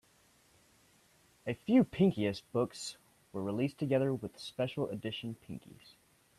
A few Pinky:st books were released together with special edition Pinkys.